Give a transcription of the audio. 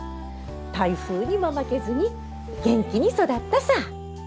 台風にも負けずに元気に育ったさ。